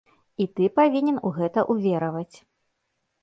І ты павінен у гэта ўвераваць.